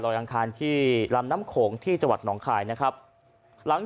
มาวางครอบเตาเผาที่มีการถวายเพลิง